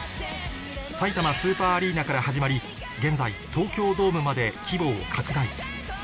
さいたまスーパーアリーナから始まり現在東京ドームまで規模を拡大